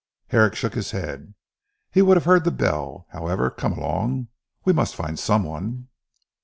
Herrick shook his head. "He would have heard the bell. However come along. We must find someone."